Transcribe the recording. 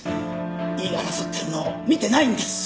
言い争ってるのを見てないんです。